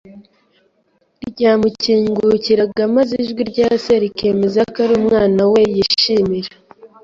ryamukingukiraga maze ijwi rya Se rikemeza ko ari Umwana we yishimira,